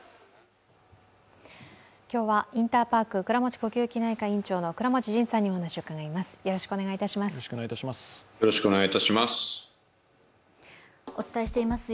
今日はインターパーク倉持呼吸器内科院長の倉持仁さんにお話を伺います。